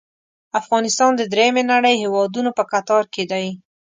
افغانستان د دریمې نړۍ هیوادونو په کتار کې دی.